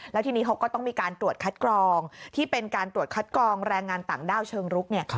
แล้วทีนี้เขาก็ต้องมีการตรวจคัดกรองที่เป็นการตรวจคัดกรองแรงงานต่างด้าวเชิงรุก